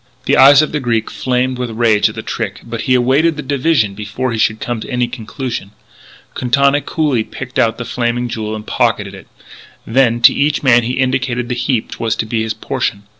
The eyes of the Greek flamed with rage at the trick, but he awaited the division before he should come to any conclusion. Quintana coolly picked out The Flaming Jewel and pocketed it. Then, to each man he indicated the heap which was to be his portion.